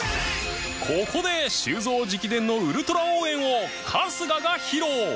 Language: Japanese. ここで修造直伝のウルトラ応援を春日が披露！